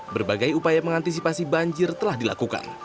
berbagai upaya mengantisipasi banjir telah dilakukan